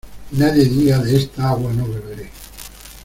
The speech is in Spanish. Nadie diga "de esta agua no beberé".